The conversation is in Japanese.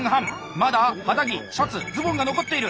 まだ肌着シャツズボンが残っている！